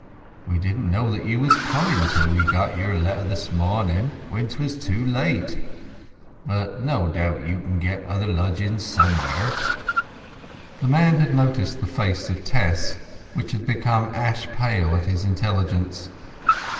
We didn't know that you was coming till we got your letter this morning—when 'twas too late. But no doubt you can get other lodgings somewhere." The man had noticed the face of Tess, which had become ash pale at his intelligence.